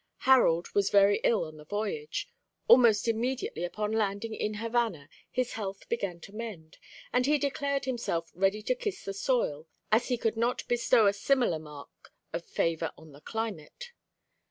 Harold was very ill on the voyage. Almost immediately upon landing in Havana his health began to mend, and he declared himself ready to kiss the soil, as he could not bestow a similar mark of favour on the climate.